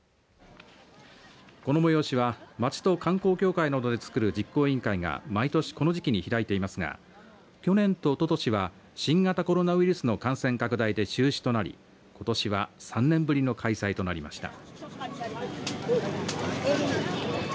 この催しは町と観光協会などでつくる実行委員会が毎年この時期に開いていますが去年とおととしは新型コロナウイルスの感染拡大で中止となりことしは３年ぶりの開催となりました。